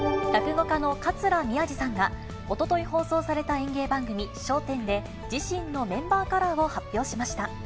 落語家の桂宮治さんが、おととい放送された演芸番組、笑点で、自身のメンバーカラーを発表しました。